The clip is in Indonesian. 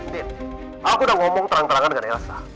din aku udah ngomong terang terangan dengan elsa